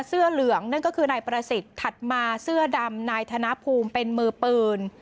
เสื้อเหลืองนั่นก็คือนายประสิทธิ์ถัดมาเสื้อดำนายธนภูมิเป็นมือปืน